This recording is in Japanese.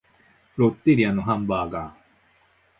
ロッテリアのハンバーガー